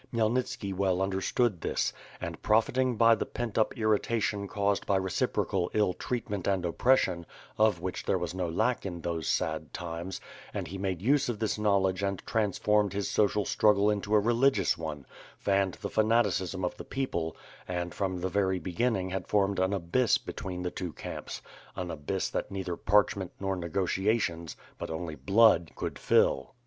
Khmyelnitski well understood this, and profiting by the pent up irritation caused by reciprocal ill treatment and oppres sion, of which there was no lack in those sad times; and he made use of this knowledge and transformed his social strug gle into a religious one, fanned the fanaticism of the people, and from the very beginning had formed an abyss between the two camps — an abyss that neither parchment nor negotiations but only blood could fill.